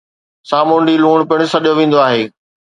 سامونڊي لوڻ پڻ سڏيو ويندو آهي